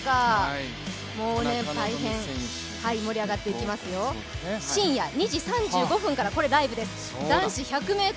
大変盛り上がっていきますよ、深夜２時３５分から、これ、ライブです。